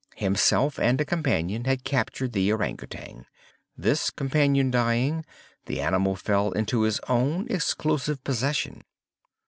Himself and a companion had captured the Ourang Outang. This companion dying, the animal fell into his own exclusive possession.